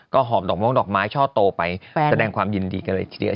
หอบดอกม้องดอกไม้ช่อโตไปแสดงความยินดีกันเลยทีเดียว